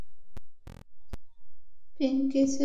পিঙ্কি, ছেড়ে দাও!